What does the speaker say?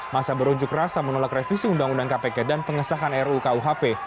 masa berunjuk rasa menolak revisi undang undang kpk dan pengesahan rukuhp